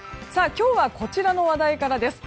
今日はこちらの話題からです。